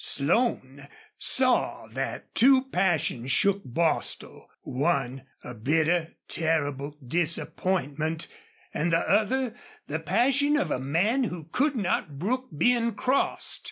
Slone saw that two passions shook Bostil one, a bitter, terrible disappointment, and the other, the passion of a man who could not brook being crossed.